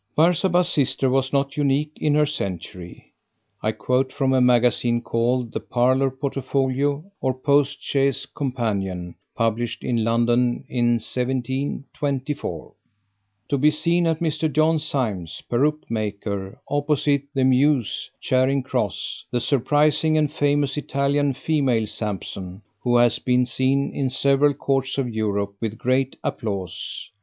Barsabas' sister was not unique in her century. I quote from a magazine called The Parlor Portfolio or Post Chaise Companion, published in London in 1724: To be seen, at Mr. John Syme's, Peruke maker, opposite the Mews, Charing Cross, the surprising and famous Italian Female Sampson, who has been seen in several courts of Europe with great applause.